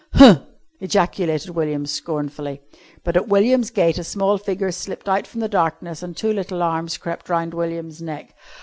"Huh!" ejaculated William scornfully. But at William's gate a small figure slipped out from the darkness and two little arms crept round William's neck.